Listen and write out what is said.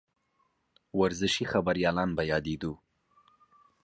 ورزشي خبریالان به یادېدوو.